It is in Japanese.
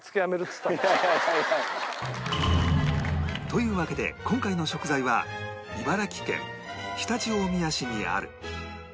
というわけで今回の食材は茨城県常陸大宮市にある